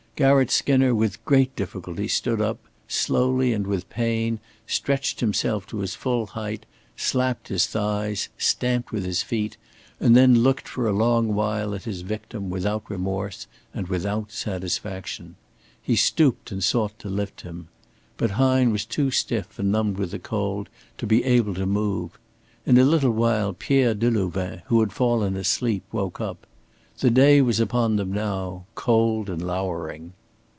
Garratt Skinner with great difficulty stood up, slowly and with pain stretched himself to his full height, slapped his thighs, stamped with his feet, and then looked for a long while at his victim, without remorse, and without satisfaction. He stooped and sought to lift him. But Hine was too stiff and numbed with the cold to be able to move. In a little while Pierre Delouvain, who had fallen asleep, woke up. The day was upon them now, cold and lowering.